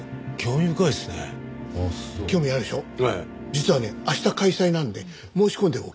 実はね明日開催なので申し込んでおきました。